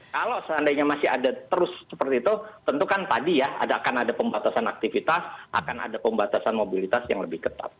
kalau seandainya masih ada terus seperti itu tentu kan tadi ya akan ada pembatasan aktivitas akan ada pembatasan mobilitas yang lebih ketat